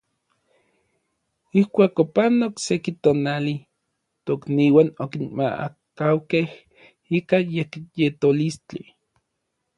Ijkuak opanok seki tonali, tokniuan okinmaakaukej ika yekyetolistli.